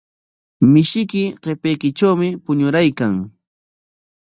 Mishiyki qipaykitrawmi puñuraykan.